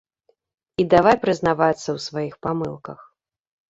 І давай прызнавацца ў сваіх памылках.